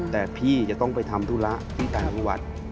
แต่พี่จะต้องไปทำธุระที่ต่างจังหวัด